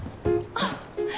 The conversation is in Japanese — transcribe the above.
あっ！